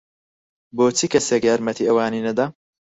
بۆچی کەسێک یارمەتیی ئەوانی نەدا؟